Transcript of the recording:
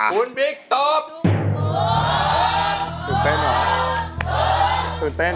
ตื่นเต้นตื่นเต้น